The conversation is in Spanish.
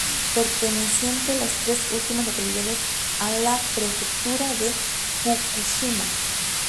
Perteneciente las tres últimas localidades a la Prefectura de Fukushima.